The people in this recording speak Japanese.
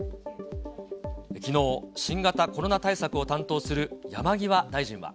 きのう、新型コロナ対策を担当する山際大臣は。